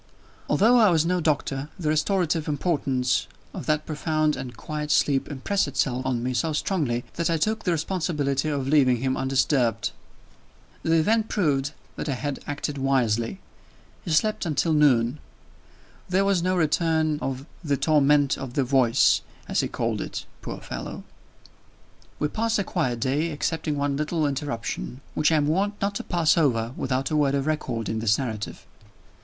Although I was no doctor, the restorative importance of that profound and quiet sleep impressed itself on me so strongly, that I took the responsibility of leaving him undisturbed. The event proved that I had acted wisely. He slept until noon. There was no return of "the torment of the voice" as he called it, poor fellow. We passed a quiet day, excepting one little interruption, which I am warned not to pass over without a word of record in this narrative.